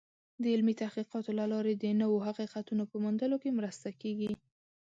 د علمي تحقیقاتو له لارې د نوو حقیقتونو په موندلو کې مرسته کېږي.